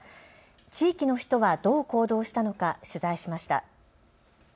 地域の人はどう行動したのか取材しました。